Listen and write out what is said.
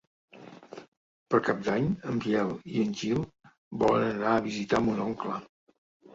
Per Cap d'Any en Biel i en Gil volen anar a visitar mon oncle.